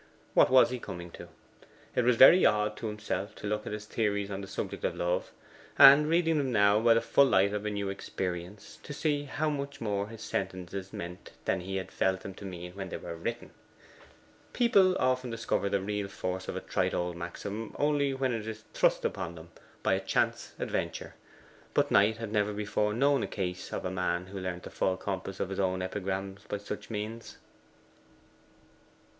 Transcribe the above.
What was he coming to? It was very odd to himself to look at his theories on the subject of love, and reading them now by the full light of a new experience, to see how much more his sentences meant than he had felt them to mean when they were written. People often discover the real force of a trite old maxim only when it is thrust upon them by a chance adventure; but Knight had never before known the case of a man who learnt the full compass of his own epigrams by such means.